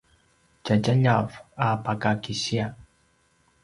tjadjaljav a pakakisia